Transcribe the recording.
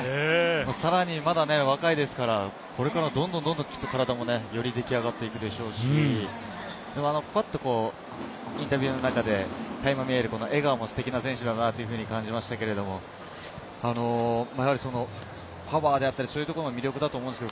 さらにまだ若いですから、これからどんどん体もよりきっと出来上がっていくでしょうし、インタビューの中で垣間見える笑顔もステキな選手だなと感じましたけれども、パワーであったり、そういうところも魅力だと思うんですが。